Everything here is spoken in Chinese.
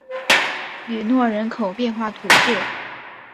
吕诺人口变化图示